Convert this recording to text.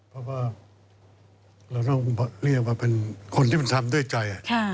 เพราะว่าเราต้องเรียกว่าเป็นคนที่มันทำด้วยใจ